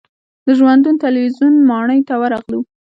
د ژوندون تلویزیون ماڼۍ ته ورغلو.